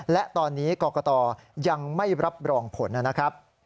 และตอนนี้กรกตยังไม่รับรองผลนะครับ